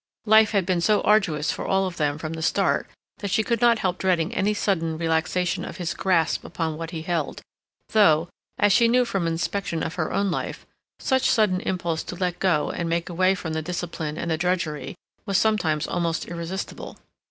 Life had been so arduous for all of them from the start that she could not help dreading any sudden relaxation of his grasp upon what he held, though, as she knew from inspection of her own life, such sudden impulse to let go and make away from the discipline and the drudgery was sometimes almost irresistible.